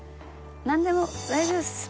何でも大丈夫っす！